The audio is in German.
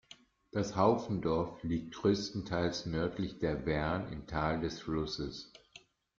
Das Haufendorf liegt größtenteils nördlich der Wern im Tal des Flusses.